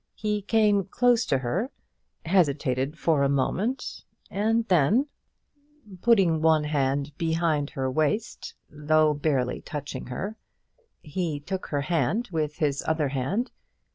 He came close to her, hesitated for a moment, and then, putting one hand behind her waist, though barely touching her, he took her hand with his other hand.